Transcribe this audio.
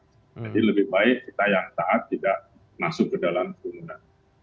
jadi lebih baik kita yang taat tidak masuk ke dalam kegumunan